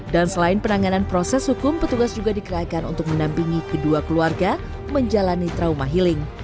dan selain penanganan proses hukum petugas juga dikerahkan untuk menampingi kedua keluarga menjalani trauma healing